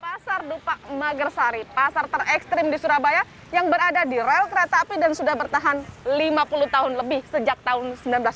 pasar dupak magersari pasar terekstrim di surabaya yang berada di rel kereta api dan sudah bertahan lima puluh tahun lebih sejak tahun seribu sembilan ratus sembilan puluh